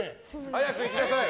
早く行きなさい。